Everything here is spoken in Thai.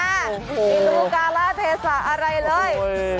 ไม่รู้กระล่าสเต็มสาวอะไรเลย